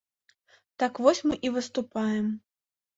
Так вось мы і выступаем.